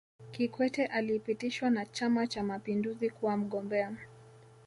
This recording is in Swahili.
kikwete alipitishwa na chama cha mapinduzi kuwa mgombea